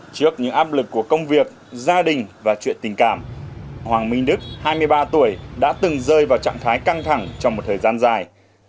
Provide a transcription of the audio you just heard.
trước những áp lực của công việc gia đình và chuyện tình cảm hoàng minh đức hai mươi ba tuổi đã từng rơi vào trạng thái căng thẳng trong một thời gian dài